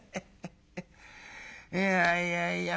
いやいやいや